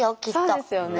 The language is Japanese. そうですよね。